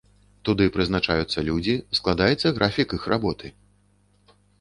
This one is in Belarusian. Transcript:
Туды прызначаюцца людзі, складаецца графік іх работы.